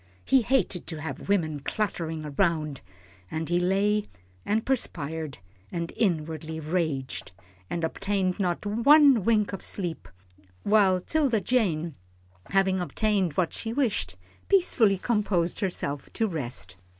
He hated to have women cluttering round, and he lay, and perspired, and inwardly raged, and obtained not one wink of sleep, while 'Tilda Jane, having obtained what she wished, peacefully composed herself to rest.